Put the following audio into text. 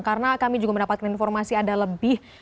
karena kami juga mendapatkan informasi ada lebih